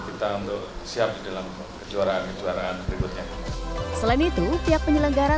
kita untuk siap di dalam kejuaraan kejuaraan berikutnya selain itu pihak penyelenggara